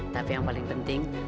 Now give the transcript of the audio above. tapi yang paling penting